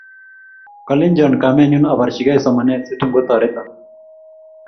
Kalenjon kamennyu abarchikey somanet situn kotoreto.